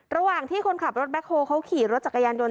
ระหว่างที่คนขับรถแบ็คโฮเขาขี่รถจักรยานยนต